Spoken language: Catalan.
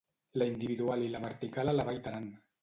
La individual i la vertical a la Vall d'Aran.